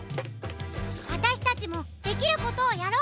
あたしたちもできることをやろう！